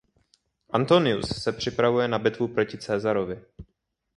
Antonius se připravuje na bitvu proti Caesarovi.